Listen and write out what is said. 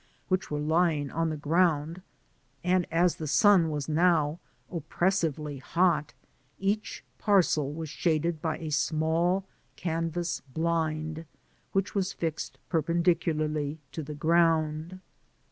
which were lying on the ground, and as the sun was now oppressively hot, each parcel was shaded by a small canvass bUnd, which was fixed perpendicu larly into the ground.